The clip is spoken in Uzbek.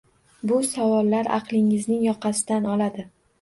Bu savollar aqlingizning yoqasidan oladi.